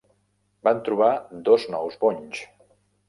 Van trobar dos nous bonys.